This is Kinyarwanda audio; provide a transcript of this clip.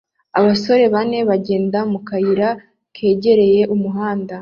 Abasore bane bagenda mu kayira kegereye umuhanda